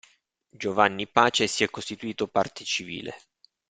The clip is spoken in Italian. Giovanni Pace si è costituito parte civile.